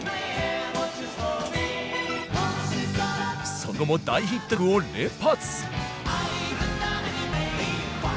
その後も大ヒット曲を連発！